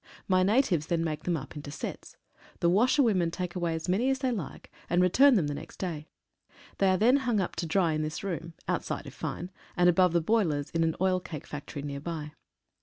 My natives then make them up into sets. The washerwomen take away as many as they like, and return them the next day. They are then hung up to dry in this room, out side if fine, and above the boilers in an oil cake factory near by.